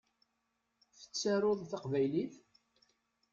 Tettaruḍ taqbaylit?